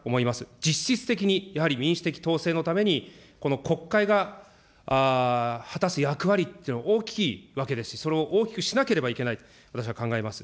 実質的にやはり民主的統制のために、この国会が果たす役割というのは大きいわけですし、それを大きくしなければいけない、私は考えます。